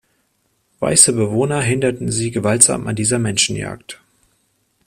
Weiße Bewohner hinderten sie gewaltsam an dieser Menschenjagd.